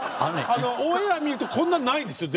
⁉オンエア見るとこんなないですよ